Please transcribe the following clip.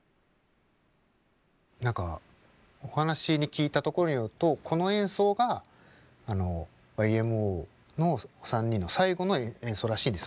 何かお話に聞いたところによるとこの演奏がＹＭＯの３人の最後の演奏らしいんです。